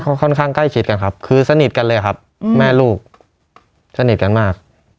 เขาค่อนข้างใกล้ชิดกันครับคือสนิทกันเลยครับแม่ลูกสนิทกันมาก